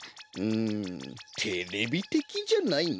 んテレビてきじゃないな。